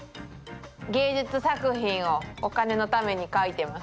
芸術作品をお金のために描いてます。